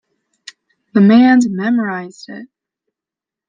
The man's memorized it!